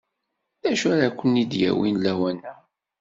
D acu ara ken-id-yawin lawan-a?